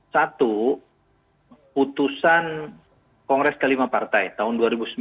satu putusan kongres kelima partai tahun dua ribu sembilan